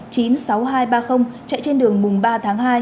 chạy trên đường mùng ba tháng hai